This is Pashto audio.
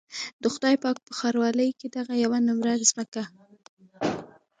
د خدای پاک په ښاروالۍ کې دغه يوه نومره ځمکه.